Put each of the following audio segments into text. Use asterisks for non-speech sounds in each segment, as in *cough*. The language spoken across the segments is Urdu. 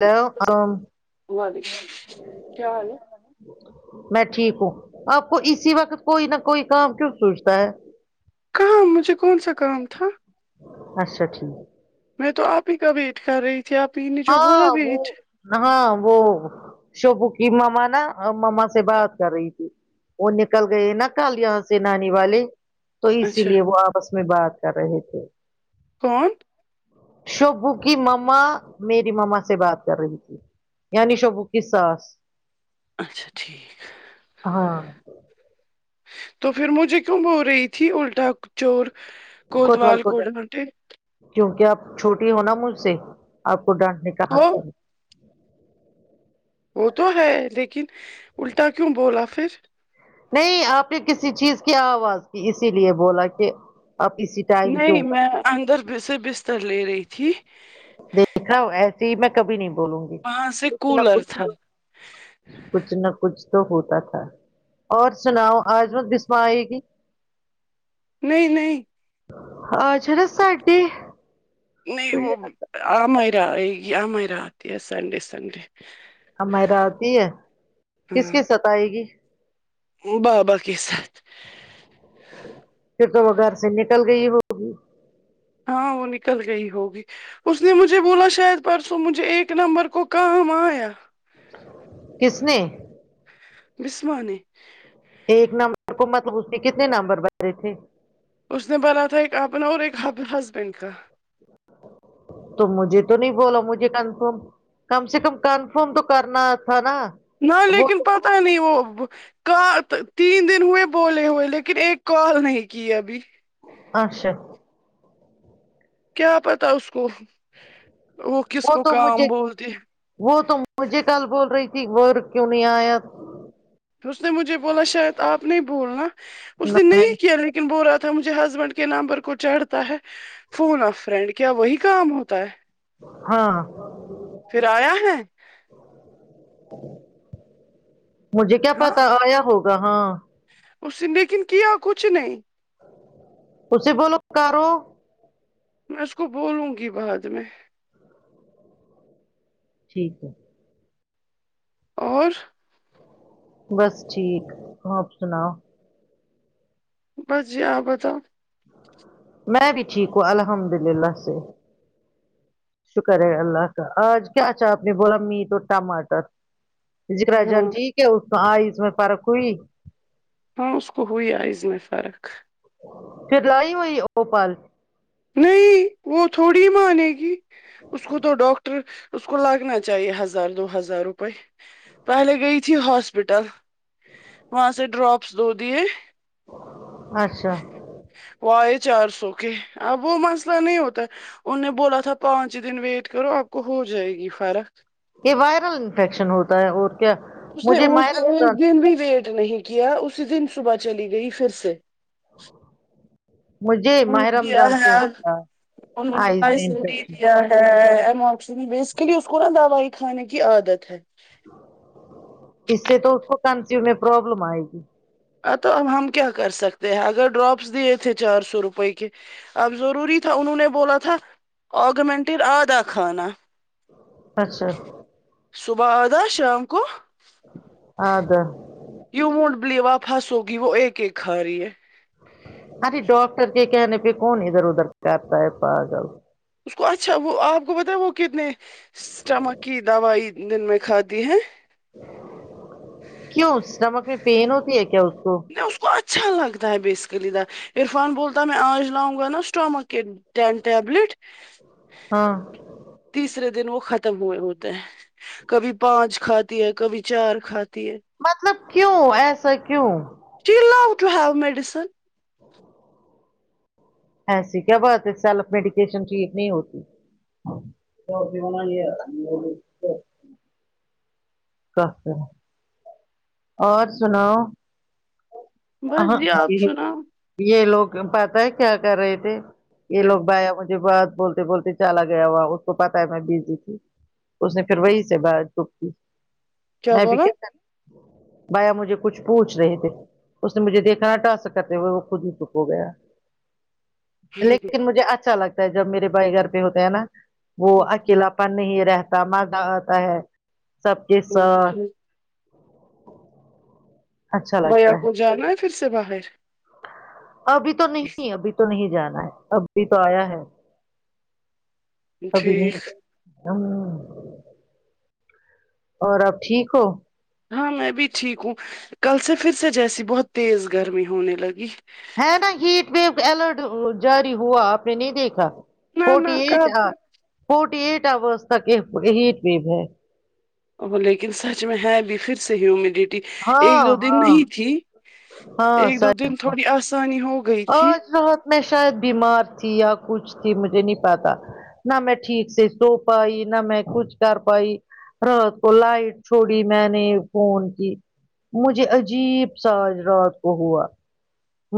ہلو وعلیکم اسلام کیا حال ہے میں ٹھیک ہوں آپ کو اسی وقت کوئی نہ کوئی کام کیوں سوچتا ہے کہاں مجھے کون سا کام تھا اچھا ٹھیک میں تو آپ ہی کا ویٹ کر رہی تھی آپ ہی جو بولا ہاں وہ بھیٹ ہاں وہ شوبو کی مما نا مما سے بات کر رہی تھی وہ نکل گئے نا کل دیا نانی والے تو اسی اچھا لیے وہ آپس میں بات کر رہے تھے کون شوبو کی مما میری مما سے بات کر رہی تھی یعنی شوبو کی ساس اچھا ٹھیک ہاں تو پھر مجھے کیوں بول رہی تھی الٹا چور کوتوال کو ڈانٹے کیونکہ آپ چھوٹی ہوناا مجھ سے آپ کو ڈانٹنے کا حق ہو ہے وہ تو ہے لیکن الٹا کیوں بولا پھر نہیں آپ نے کسی چیز کی آواز کی اسی لیے بولا کہ آپ اسی ٹائم کیوں نہیں کر میں اندر سے بستر لے رہی تھی دیکھا ہ ایسی ہی میں کبھی نہیں بولوں گی وہاں سے کچھ نہ کولر کچھ تھا تو کچھ نہ کچھ تو ہوتا تھا اور سناؤ آج وہ دسما آئے گی نہیں نہیں *unintelligible* نہیں وہ ہماریرا آتی ہے سنڈے سنڈے ہماریرا آتی ہے کس ہاں کی ساتھ آیگی بابا کے ساتھ وغیر سے نکل گئی وہ ہاں وہ نکل گئی ہوگی اس نے مجھے بولا شاید پرسوں مجھے ایک نمبر کو کام آیا کس نے بسمانے ایک نمبر کو مطلب اس نے کتنے نمبر بدلے تھے اس نے بنا تھا ایک اپنا اور ایک ہسبینڈ کا تو مجھے تو نہیں بولا مجھے کنفرم کم سے کم کنفرم تو کرنا تھا نا نہ وہ لیکن پتہ نہیں وہ کا تین دن ہوئے بولے ہوئے لیکن ایک کال نہیں کیے ابھی اچھا کیا پتہ اس کو وہ کس کو تو کام مجھے بولتی وہ تو مجھے کل بول رہی تھی وہ کیوں نہیں آیا اس نے مجھے بولا شاید آپ نہیں بھولنا اس نے نہیں کیا لیکن بول رہا تھا مجھے ہسبینڈ کے نام پر کو چڑھتا ہے فون آف فرینڈ کیا وہی کام ہوتا ہے ہاں پھر آیا ہے مجھے کیا ہاں پتہ آیا ہوگا ہاں اس نے لیکن کیا کچھ نہیں اسے بولو کرو میں اس کو بولوں گی بعد میں ٹھیک ہے اور بس ٹھیک آپ سناؤ بس جی آپ بتاؤ میں بھی ٹھیک ہوں الحمد للہ سے شکر ہے اللہ کا آج کیا اچھا آپ نے بولا میٹ اور ٹماٹر جیرا ہاں جانتی ہے کہ اس میں آئس میں فرخ ہوئی ہاں اس کو ہوی آئز میں فرق پھر لائی ہوئی اپو پال نہیں وہ تھوڑی مانے گی اس کو تو ڈاکٹر اس کو لگنا چاہیے ہزار دو ہزار روپئے پہلے گئی تھی ہاسپٹل وہاں سے ڈراپس دو دیے اچھا وہ آئے چار سو کے اب وہ مسئلہ نہیں ہوتا ان نے بولا تھا پانچ دن ویٹ کرو آپ کو ہو جائے گی فرق یہ وائرل انفیکشن ہوتا ہے اور کیا اس نے مجھے اس نے ایک مائرل دن بھی ویٹ نہیں کیا اسی دن صبح چلی گئی پھر سے *inaudible* مجھے ان ماہ نے گیا رمضان ہے سے آج ہوگا انہوں آئز نے میں سگی انفیکشن دیا ایمک بیسکلی اس کو نا دوائی کھانے کی عادت ہے اس سے تو اس کو کنفیو میں پروابلم آئے گی ا تو اب ہم کیا کر سکتے ہیں اگر ڈراپس دیے تھے چار سو روپئے کے اب ضروری تھا انہوں نے بولا تھا آگمنٹن آدھا کھانا اچھا صبح آدھا شام کو آدھا یو وونٹ بلی آپ ہنسوگی وہ ایک ایک کھارہی ہے ارے ڈاکٹر کے کہنے پہ کون ادھر ادھر کہتا ہے پاگل اس کو اچھا وہ آپ کو پتا وہ کتنے اسٹمک کی دوائی دن میں کھاتی ہیں کیوں اسٹمک میں پین ہوتی ہے کیا اس کو نہیں اس کو اچھا لگتا ہے بیسکلی د عرفان بولتا ہے میں آج لاؤں گا نا اسٹامک کے ٹین ٹبلٹ ہاں تیسرے دن وہ ختم ہوئے ہوتے ہیں کبھی پانچ کھاتی ہے کبھی چار کھاتی ہے مطلب کیوں ایسا کیوں شی لو ٹو ہو میڈسن ایسی کیا بات ہے سیلف میڈیکیشن ٹھیک نہیں ہوتی پ *inaudible* س *unintelligible* اور سناؤ بس اہں جی آپ سناؤ یہ لوگ پتا ہے کیا کر رہے تھے یہ لوگ بایا مجھے بہت بول تے بولتے چالا گیا ہوا اس کو پتا تھا میں بیجی تھی اس نے پھر وہی سے بات کی تھی میں بھی کیا کر بایا مجھے کچھ پوچھ رہے تھے اس نے مجھے دیکھا ٹاسک کرتے ہوئے وہ خود ہی دک ہو گیا لیکن مجھے اچھا لگتا ہے جب میرے بھائی گھر پہ ہوتے ہیں نا وہ اکیلا نہیں رہتا مزہ آتا ہے سب کے ساتھ اچھا بھیا لگتا کو جانا ہے پھر سے باہر ابھی تو نہیں ابھی تو نہیں جانا ہے ابھی تو آیا ہے ابھی ٹھیک نہیں جانا ہ اور آپ ٹھیک ہو ہاں میں بھی ٹھیک ہوں کل سے پھر سے جیسی بہت تیز گرمی ہونے لگی ہے نا ہیٹ ویو الرٹ جاری ہوا آپ نے نہیں دیکھا نہ فورٹی نہ ایٹ کب فورٹی ایٹ اورس تک ہیٹ ویو ہے ا لیکن سچ میں ہے بھی پھر سے ہمیڈیٹی ہاں ایک دو دن ہاں نہیں تھی ہاں ایک دو سچ دن تھوڑی آسانی ہو گئی تھی آج رات میں شاید بیمار تھی یا کچھ تھی مجھے نہیں پاتا نہ میں ٹھیک سے سو پائی نہ میں کچھ کر پائی رات کو لائٹ چھوڑی میں نے فون کی مجھے عجیب سا رات کو ہوا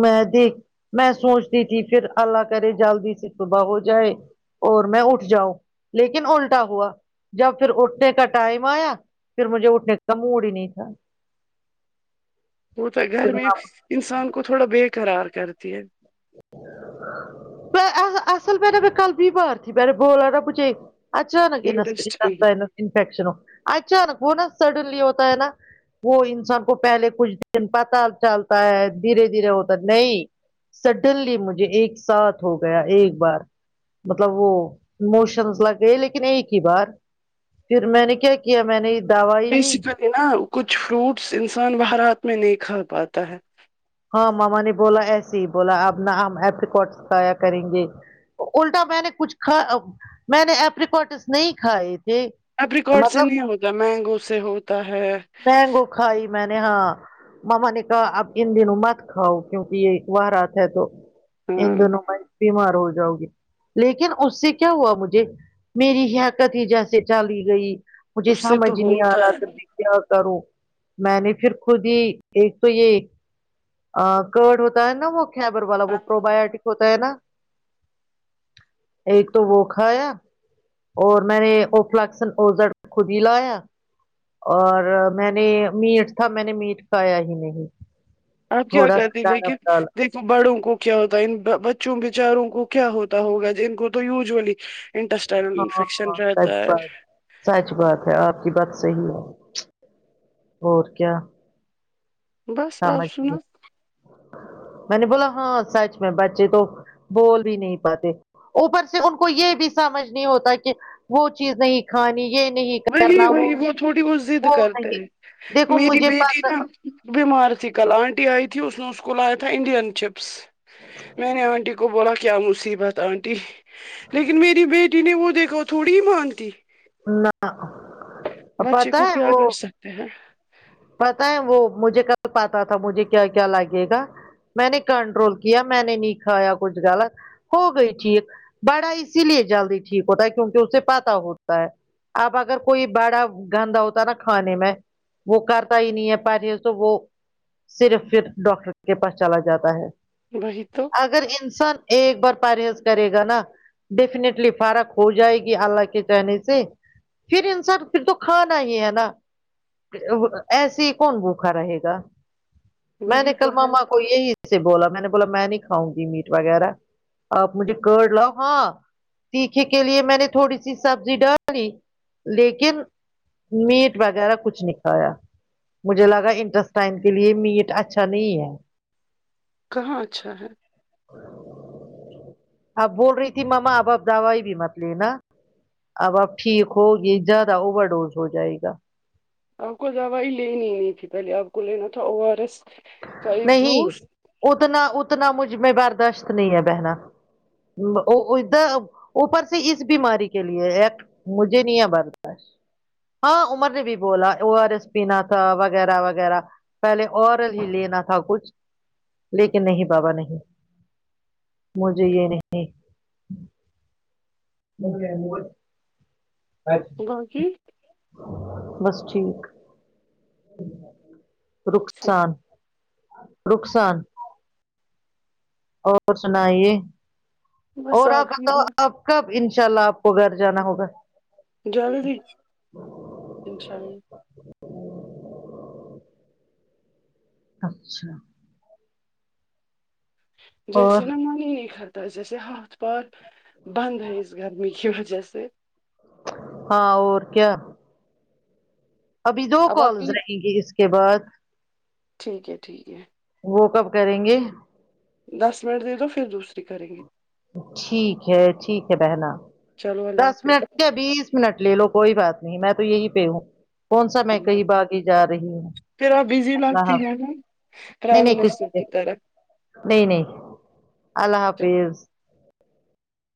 میں دیکھ میں سوچتی تھی پھر اللہ کرے جلدی سے صبح ہو جائے اور میں اٹھ جاؤں لیکن الٹا ہوا جب پھر اٹھنے کا ٹائم آیا پھر مجھے اٹھنے کا موڈ ہی نہیں تھا ہوتا پھر گھر میں انسان کو تھوڑا بےقرار کرتی ہے پ اصل پہیرا پ کل بی بار تھی میں نے بولا تھا تجھے اچانک انٹرسٹنگ انٹیسٹینل انفیکشن اچانک وہ نا سڈنلی ہوتا ہے نا وہ انسان کو پہلے کچھ دن پتا چلتا ہے دھیرے دھیرے ہوتا ہے نہیں سڈنلی مجھے ایک ساتھ ہو گیا ایک بار مطلب وہ موشنس لگ گئے لیکن ایک ہی بار پھر میں نے کیا کیا میں نے دوائی لی ا کچھ فروٹس انسان باہر رات میں نہیں کھا پاتا ہے ہاں ماما نے بولا ایسے ہی بولا اب نہ ہم اپریکاٹ کھا یا کریں گے الٹا میں نے کچھ کھ میں نے اپریکٹس نے ہی کھائے تھے اپریکوٹ سے مطلب نہیں ہوتا مینگو سے ہوتا ہے مینگو کھائی میں نے ہاں مما نے کہا اب ان دنوں مت کھاؤ کیونکہ یہ اتوار آتا ہے تو ان ہاں دونوں مت بیمار ہو جاؤ گی لیکن اس سے کیا ہوا مجھے میری حرکت ہی جیسے چلی گئی مجھے اس سے تو سمجھ نہیں آ ہوتا رہا تھا کچھ بھی ہے کیا کروں میں نے پھر خود ہی ایک تو یہ کرڈ ہوتا ہے نا وہ خیبر والا وہ پرو بایوٹک ہوتا ہے نا ایک تو وہ کھا یا اور میں نے او فلکسن او زیڈ خود ہی لایا اور میں نے میٹ تھا میں نے میٹ کھایا ہی نہیں آپ کیا تھوڑا سا کرتی کاڑا لیکن ڈالا دیک بڑوں کو کیا ہوتا ان بچوں بچاروں کو کیا ہوتا ہوگا ان کو تو یزلی انٹیسٹینل ہاں انفیکشن ہاں سچ رہتا ہے بات سچ بات ہے آپ کی بات صحیح ہے اور کیا بس آپ سمجھ سنا میں نے بولا ہاں سچ میں بچے تو بول بھی نہیں پاتے اوپر سے ان کو یہ بھی سمجھ نہیں ہوتا کہ وہ چیز نہیں کھانی یہ نہیں وہی کرنا وہی وہ تھوڑی بہت زید وہ کرتے نہیں ہیں دیکھو میری مجھے بیٹی نا پتا بیمار تھی کل آنٹی آئی تھی اس نے اس کو لایا تھا انڈین چپس میں نے آنٹی کو بولا کیا مصیبت آنٹی لیکن میری بیٹی نے وہ دے کو تھوڑی ہی مانتی نہ پتہ ہے وہ کہ ہیں پتہ ہے وہ مجھے کل پاتا تھا مجھے کیا کیا لگے گا میں نے کنٹرول کیا میں نے نہیں کھایا کچھ غلط ہو گئی ٹھیک بڑا اسی لیے جلدی ٹھیک ہوتا ہے کیونکہ اسے پتہ ہوتا ہے اب اگر کوئی بڑا گندا ہوتا نا کھانے میں وہ کرتا ہی نہیں ہے *unintelligible* تو وہ صرف پھر ڈاکٹر کے پاس چلا جاتا ہے وہی تو اگر انسان ایک بار پرہیز کرے گا نا ڈیفینٹلی فرق ہو جائے گی اللہ کے کہنے سے پھر انسان پھر تو کھانا ہی ہے نا ایسی کون بوکھا رہے گا میں نے وہی کل تو ہے ماما کو یہی سے بولا میں نے بولا میں نہیں کھاؤں گی میٹ وغیرہ آپ مجھے کارڈ لاؤ ہاں تیکھے کے لیے میں نے تھوڑی سی سبزی ڈالی لیکن میٹ وغیرہ کچھ نکھایا مجھے لگا انٹرس ٹائم کے لیے میٹ اچھا نہیں ہے کہاں اچھا ہے اب بول رہی تھی ماما اب اپ دوائی بھی مت لینا اب آپ ٹھیک ہوگی زیادہ اوور ڈوز ہو جائے گا آپ کو دوائی لینی نہیں تھی پہلے آپ کو لینا تھا او آر ایس کا ایک نہیں جوس اتنا اتنا مجھ میں برداشت نہیں ہے بہنا ادھر اوپر سے اس بیماری کے لیے ایک مجھے نہیں ہے برداش ہاں عمر نے بھی بولا او آر ایس پینا تھا وغیرہ وغیرہ پہلے اور ہی لینا تھا کچھ لیکن نہیں بابا نہیں مجھے یہ نہیں *inaudible* *unintelligible* با کی بس ٹھیک رخسان رخصان اور سنائیے بس اور آ آپ کی پتہ دعا آپ کب ان شاء اللہ آپ کو گھر جانا ہوگا جلدی انشاء اللہ اچھا اور جیسے نا من ہی نہیں کرتا ہے جیسے ہاتھ پار بند ہے اس گرمی کی وجہ سے ہاں اور کیا ابھی دو اب آپ کالز کی رہیں گے اس کے بعد ٹھیک ہے ٹھیک ہے وہ کب کریں گے دس منٹ دے دو پھر دوسری کریں گے ٹھیک ہے ٹھیک ہے بہنا چلو اللہ دس حافظ منٹ کیا بیس منٹ لے لو کوئی بات نہیں میں تو یہی پہ ہوں کونسا میں اللہ کہیں حافظ باگی جا رہی ہوں پھر آپ بزی اللہ لگتی حافظ ہے نہ نہیں پرائم نہیں کسی منسٹر کی کے طرح نہیں نہیں اللہ جب حافظ